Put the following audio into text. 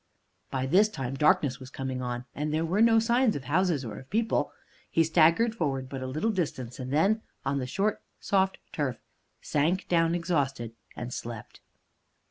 By this time darkness was coming on, and there were no signs of houses or of people. He staggered forward but a little distance, and then, on the short, soft turf, sank down exhausted and slept.